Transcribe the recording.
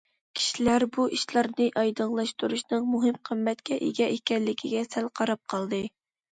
كىشىلەر بۇ ئىشلارنى ئايدىڭلاشتۇرۇشنىڭ مۇھىم قىممەتكە ئىگە ئىكەنلىكىگە سەل قاراپ قالدى.